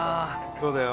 そうだよ。